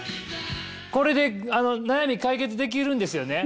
これで悩み解決できるんですよね？